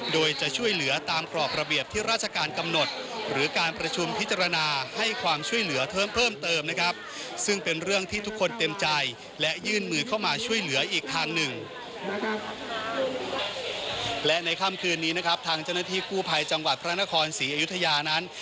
และในคำคือนี้นะครับทางเจ้าหน้าที่กูภัยจังหวะพระนคร๔อายุทยานั้น